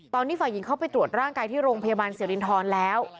ตอนนี้ฝ่ายหญิงเข้าไปตรวจร่างกายที่โรงพยาบาลสิรินทรแล้ว